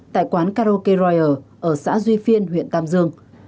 tại quán karaoke riyer ở xã duy phiên huyện tam dương